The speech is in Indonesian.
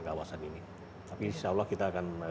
kawasan ini tapi insya allah kita akan